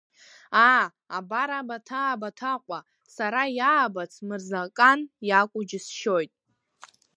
Аа, абар Абаҭаа Баҭаҟәа, сара иаабац Мырзакан иакәу џьысшьоит.